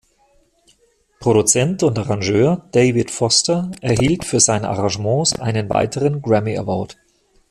Produzent und Arrangeur David Foster erhielt für seine Arrangements einen weiteren Grammy Award.